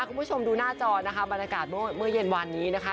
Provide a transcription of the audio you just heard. คุณผู้ชมดูหน้าจอนะคะบรรยากาศเมื่อเย็นวานนี้นะคะ